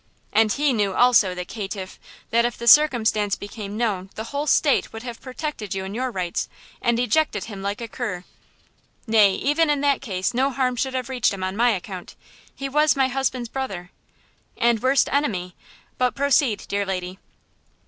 And he knew, also, the caitiff! that if the circumstance became known the whole State would have protected you in your rights, and ejected him like a cur." "Nay, even in that case no harm should have reached him on my account. He was my husband's brother." "And worst enemy! But proceed, dear lady."